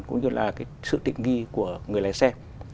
cũng như là cái sự tịnh nghi của người lái xe